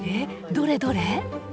どれどれ？